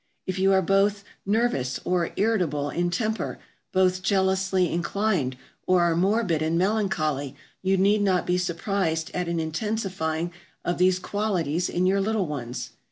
If you both are "nervous" or irritable in temper, both jealously inclined, or are morbid and melancholy, you need not be surprised at an intensifying of these qualities in your little ones.